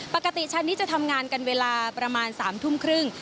ปกติชั้นนี้จะทำงานกันเวลาประมาณ๓ทุ่มครึ่ง